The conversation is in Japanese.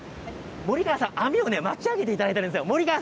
森川さん、網をね、巻き上げていただいているんですよ。